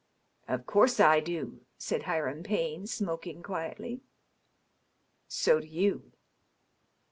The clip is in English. " Of course I do," said Hiram Payne, smoking quietly. " So do you."